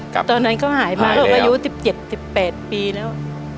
ใช่ตอนนั้นก็หายมาเราก็อยู่๑๗๑๘ปีแล้ว